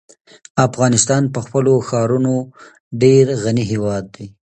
افغانستان په خپلو ښارونو ډېر غني هېواد دی.